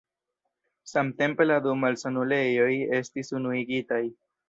Samtempe la du malsanulejoj estis unuigitaj.